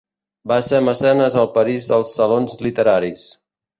Va ser mecenes al París dels salons literaris.